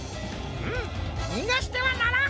うむにがしてはならん！